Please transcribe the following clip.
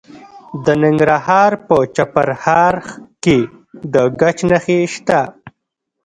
د ننګرهار په چپرهار کې د ګچ نښې شته.